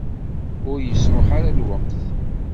Ur yesruḥ ara lweqt.